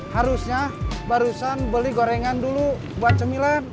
harusnya barusan beli gorengan dulu buat cemilan